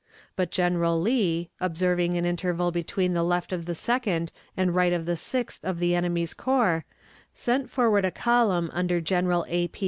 But General Lee, observing an interval between the left of the Second and right of the Sixth of the enemy's corps, sent forward a column under General A.